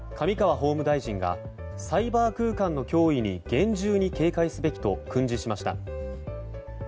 法務大臣がサイバー空間の脅威に厳重に警戒すべきと訓示しました。